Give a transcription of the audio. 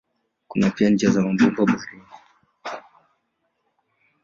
Kuna pia njia za bomba baharini.